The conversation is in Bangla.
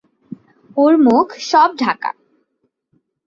ওর মুখ সব ঢাকা।